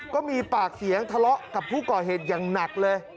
ก็มีปากเสียงทะเลาะกับผู้ก่อเหตุอย่างหนักเลย